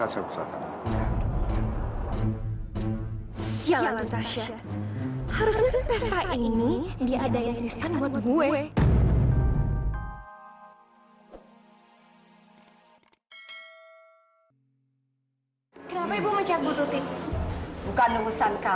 akan saya berusaha